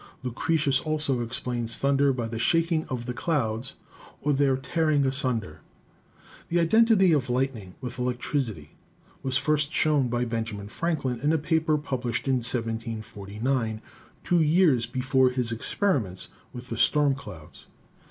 Lucretius also explains thunder by the shaking of the clouds or their tearing asunder. The identity of lightning with electricity was first shown by Benjamin Franklin in a paper published in 1749, two years before his experiments with the storm clouds.